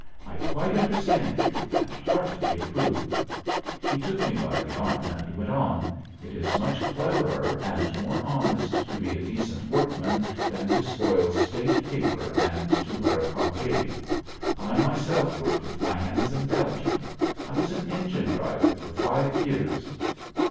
I quite understand you and heartily approve." He took me by the arm and went on: "It is much cleverer and more honest to be a decent workman than to spoil State paper and to wear a cockade. I myself worked with my hands in Belgium. I was an engine driver for five years...."